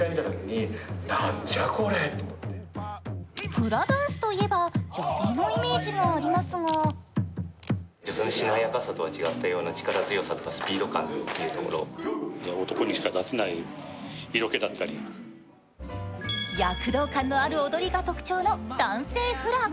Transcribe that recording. フラダンスといえば女性のイメージがありますが躍動感のある踊りが特徴の男性フラ。